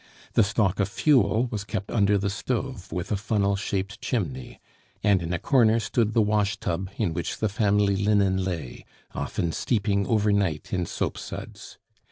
The stock of fuel was kept under the stove with a funnel shaped chimney, and in a corner stood the wash tub in which the family linen lay, often steeping over night in soapsuds.